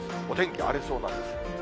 お天気は荒れそうなんです。